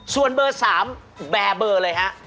ส่วนเบอร์สามแบบเลยฮะ